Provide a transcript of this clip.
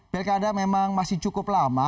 pilkada memang masih cukup lama